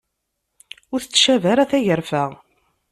Ur tettcab ara tgerfa.